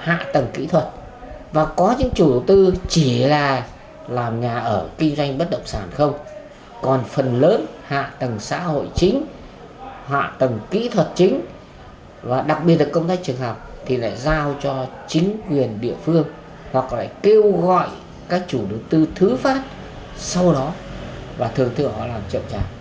hạ tầng kỹ thuật và có những chủ đầu tư chỉ là làm nhà ở kinh doanh bất động sản không còn phần lớn hạ tầng xã hội chính hạ tầng kỹ thuật chính và đặc biệt là công tác trường học thì lại giao cho chính quyền địa phương hoặc là kêu gọi các chủ đầu tư thứ phát sau đó và thường thường họ làm trầm trọng